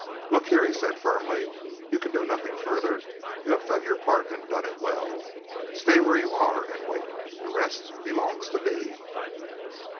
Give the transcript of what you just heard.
"Look here," he said firmly, "you can do nothing further. You have done your part and done it well. Stay where you are and wait. The rest belongs to me."